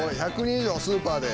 １００人以上スーパーで。